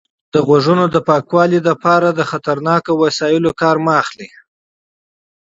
د غوږونو د پاکولو لپاره له خطرناکو وسایلو کار مه اخلئ.